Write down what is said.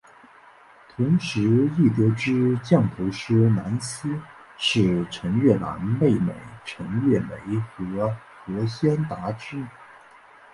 同时亦得知降头师蓝丝是陈月兰妹妹陈月梅和何先达之女。